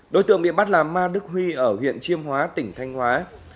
đối tượng bị bắt là ma đức huy ở huyện chiêm hóa tỉnh thanh hóa